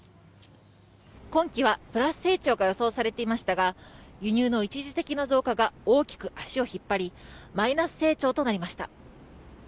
今期はプラス成長が予想されていましたが輸入の一時的な増加が大きく足を引っ張りマイナス成長となりました。